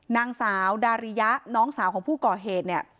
นางสาวดาริยะน้องสาวของผู้ก่อเหตุเนี่ย